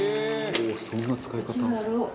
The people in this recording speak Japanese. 「おおそんな使い方」